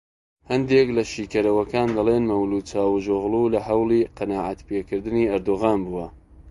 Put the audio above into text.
هەندێک لە شیکەرەوەکان دەڵێن مەولود چاوشئۆغڵو لە هەوڵی قەناعەتپێکردنی ئەردۆغان بووە